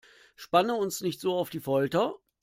Spanne uns nicht so auf die Folter!